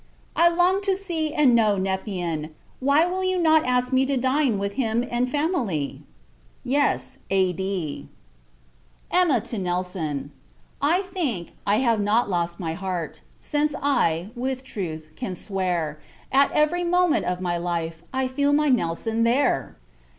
I long to see and know Nepean! Why will you not ask me to dine with, him en famille? {Yes.} {A.D.} EMMA TO NELSON. I think, I have not lost my heart; Since I, with truth, can swear, At every moment of my life, I feel my Nelson there!